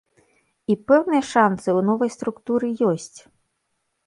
І пэўныя шанцы ў новай структуры ёсць.